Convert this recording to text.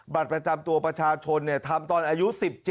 บัตรประจำตัวประชาชนทำตอนอายุ๑๗